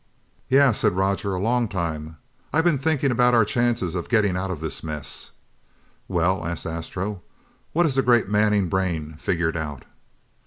"Yeah," said Roger, "a long time. I've been thinking about our chances of getting out of this mess." "Well," asked Astro, "what has the great Manning brain figured out?"